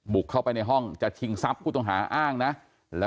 บุกเข้าไปในห้องจัดชิงทรัพย์กุฎงหาอ้างนะ